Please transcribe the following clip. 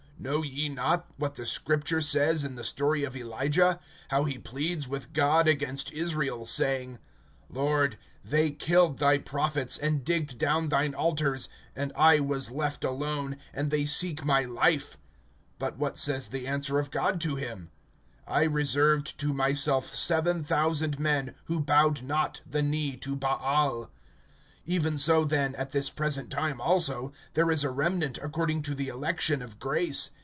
Know ye not what the Scripture says in the story of Elijah; how he pleads with God against Israel, saying: (3)Lord they killed thy prophets, and digged down thine altars; and I was left alone, and they seek my life. (4)But what says the answer of God to him? I reserved to myself seven thousand men, who bowed not the knee to Baal. (5)Even so then, at this present time also, there is a remnant according to the election of grace.